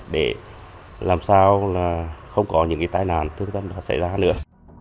để làm sao là không có những tai nạn thương tâm đã xảy ra nữa